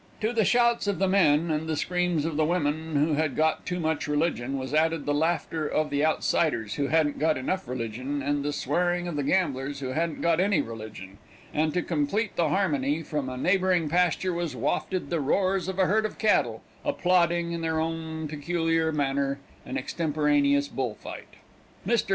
To the shouts of the men, and the screams of the women who had got too much religion, was added the laughter of the outsiders, who hadn't got enough religion, and the swearing of the gamblers, who hadn't got any religion; and to complete the harmony, from a neighboring pasture was wafted the roars of a herd of cattle, applauding, in their own peculiar manner, an extemporaneous bull fight. Mr.